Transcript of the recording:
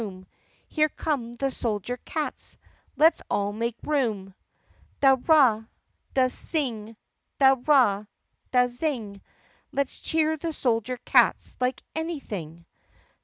boom ! Here come the soldier cats ! Let 's all make room ! Da! ra! da! zing! da! ra! da! zing! Let 's cheer the soldier cats like anything!